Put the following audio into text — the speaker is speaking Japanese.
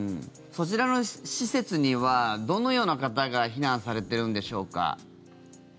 そちらの施設にはどのような方が避難されているんでしょうか？